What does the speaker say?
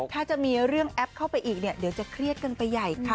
ถ้าจะมีเรื่องแอปเข้าไปอีกเนี่ยเดี๋ยวจะเครียดกันไปใหญ่ค่ะ